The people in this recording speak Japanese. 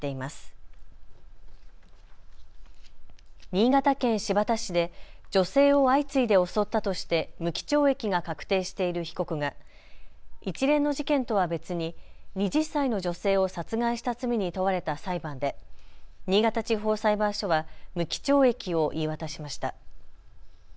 新潟県新発田市で女性を相次いで襲ったとして無期懲役が確定している被告が一連の事件とは別に２０歳の女性を殺害した罪に問われた裁判で新潟地方裁判所は無期懲役を言い渡しました。